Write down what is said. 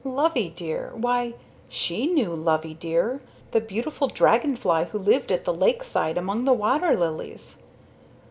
Loveydear why, she knew Loveydear the beautiful dragon fly who lived at the lakeside among the waterlilies.